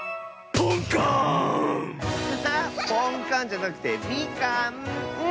ポンカンじゃなくてみかん！